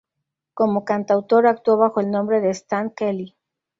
Como cantautor, actuó bajo el nombre de Stan Kelly.